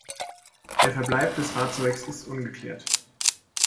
Der Verbleib des Fahrzeugs ist ungeklärt.